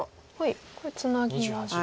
これツナぎますと。